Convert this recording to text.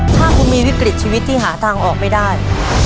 ถ้าคุณมีวิกฤตชีวิตที่หาทางออกไม่ได้